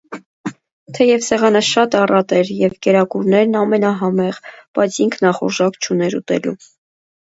Թեև սեղանը շատ առատ էր, և կերակուրներն ամենահամեղ, բայց ինքն ախորժակ չուներ ուտելու…